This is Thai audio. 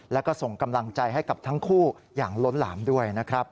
แล้วก็ส่งกำลังใจให้กับทั้งคู่อย่างล้นหลามด้วยนะครับ